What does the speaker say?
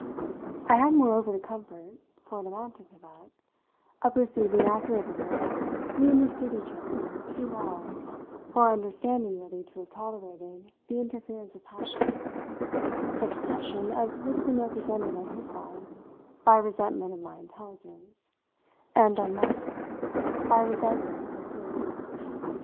I had moreover the comfort for it amounted to that of perceiving after a little that we understood each other too well for our understanding really to have tolerated the interference of passion, such passion as would have been represented on his side by resentment of my intelligence and on my side by resentment of his.